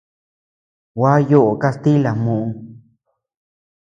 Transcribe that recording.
Gua yoo kastila muu.